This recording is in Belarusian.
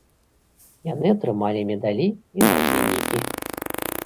Яны атрымалі медалі і гадзіннікі.